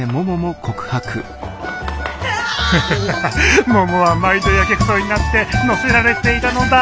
ハハハハももは毎度やけくそになって乗せられていたのだ！